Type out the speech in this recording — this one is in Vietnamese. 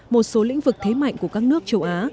một số lĩnh vực thế mạnh của các nước châu á